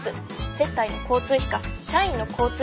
接待の交通費か社員の交通費か